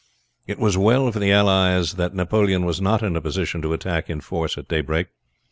It was well for the allies that Napoleon was not in a position to attack in force at daybreak.